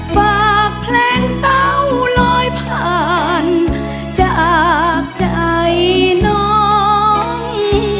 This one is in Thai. ฝากเพลงเตาลอยผ่านจากใจน้อง